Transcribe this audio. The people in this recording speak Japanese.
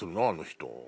あの人。